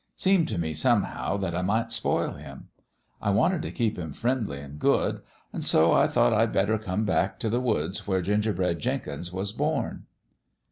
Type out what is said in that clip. Seemed t' me, somehow, that I might spoil .him. I wanted to keep him friendly an' good ; an' so I thought I'd better come back t' the woods where Gingerbread Jenkins was born.'